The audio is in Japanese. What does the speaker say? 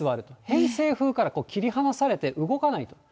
偏西風から切り離されて動かないと。